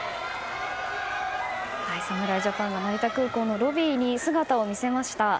侍ジャパンが成田空港のロビーに姿を見せました。